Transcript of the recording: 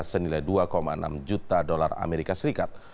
senilai dua enam juta dolar amerika serikat